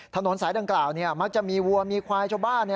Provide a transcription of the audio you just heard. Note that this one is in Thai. ถนนสายดังกล่าวมักจะมีวัวมีควายชาวบ้าน